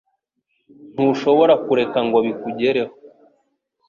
Ntushobora kureka ngo bikugereho